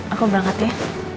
aku berangkat ya